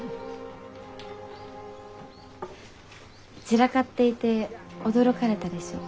散らかっていて驚かれたでしょ？